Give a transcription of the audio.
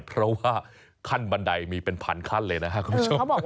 เพราะว่าขั้นบันไดมีเป็นพันขั้นเลยนะครับคุณผู้ชม